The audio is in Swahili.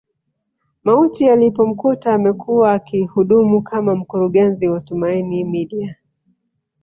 Mauti yalipomkuta amekuwa akihudumu kama mkurungezi wa Tumaini Media